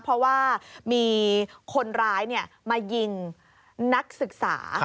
เพราะว่ามีคนร้ายมายิงนักศึกษา